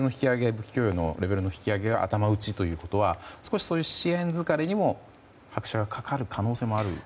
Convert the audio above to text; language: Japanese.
武器供与のレベルの引き上げが頭打ちということは少し支援疲れにも拍車がかかる可能性がある？